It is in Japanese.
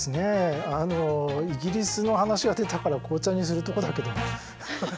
イギリスの話が出たから紅茶にするとこだけど。